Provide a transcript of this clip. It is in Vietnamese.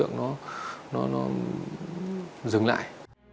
nó dừng lại